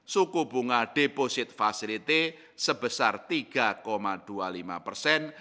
suku bunga deposit facility sebesar tiga dua puluh lima persen